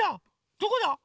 どこだ？